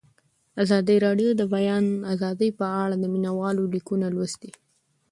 ازادي راډیو د د بیان آزادي په اړه د مینه والو لیکونه لوستي.